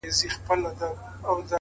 هغه مړ له مــسته واره دى لوېـدلى ـ